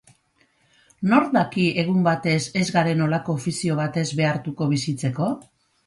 Nork daki, egun batez, ez garen holako ofizio batez behartuko bizitzeko?